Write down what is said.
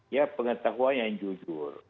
ya pengetahuan yang jujur